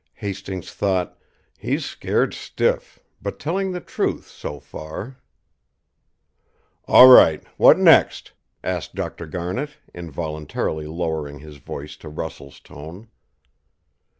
Hastings thought: "He's scared stiff, but telling the truth so far." "All right; what next?" asked Dr. Garnet, involuntarily lowering his voice to Russell's tone.